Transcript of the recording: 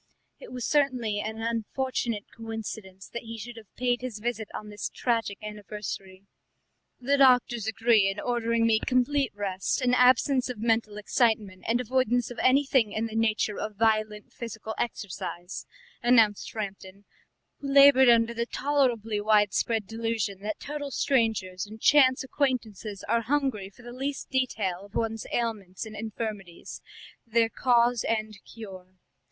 It was certainly an unfortunate coincidence that he should have paid his visit on this tragic anniversary. "The doctors agree in ordering me complete rest, an absence of mental excitement, and avoidance of anything in the nature of violent physical exercise," announced Framton, who laboured under the tolerably widespread delusion that total strangers and chance acquaintances are hungry for the least detail of one's ailments and infirmities, their cause and cure.